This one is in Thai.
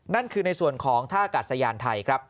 นั่นคือในส่วนของท่ากาศยานไทยครับ